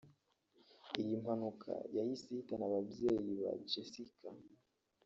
Iyi mpanuka yahise ihitana ababyeyi ba Jessica